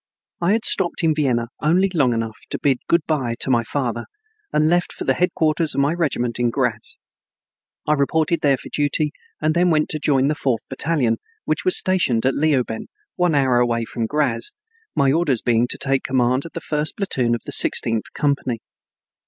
I had stopped in Vienna only long enough to bid good bye to my father, and left for the headquarters of my regiment in Graz. I reported there for duty and then went to join the Fourth Battalion, which was stationed at Leoben, one hour away from Graz, my orders being to take command of the first platoon in the sixteenth company.